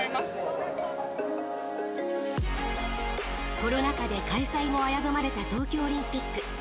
コロナ禍で開催も危ぶまれた東京オリンピック。